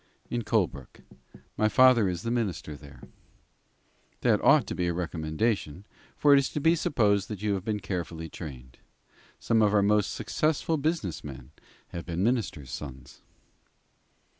"In Colebrook. My father is the minister there." "That ought to be a recommendation, for it is to be supposed you have been carefully trained. Some of our most successful business men have been ministers' sons."